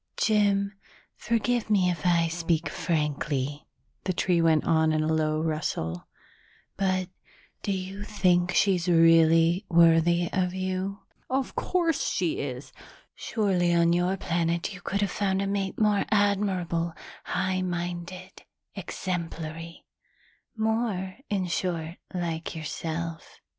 "Jim, forgive me if I speak frankly," the tree went on in a low rustle, "but do you think she's really worthy of you?" "Of course she is!" "Surely on your planet you could have found a mate more admirable, high minded, exemplary more, in short, like yourself.